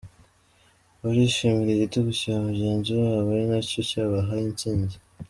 Barishimira igitego cya mugenzi wabo ari nacyo cyabahaye intsinze.